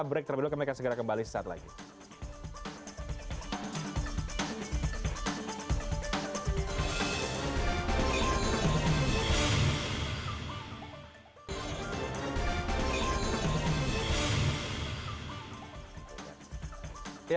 break terlebih dahulu kami akan segera kembali sesaat lagi